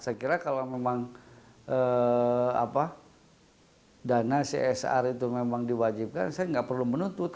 saya kira kalau memang dana csr itu memang diwajibkan saya nggak perlu menuntut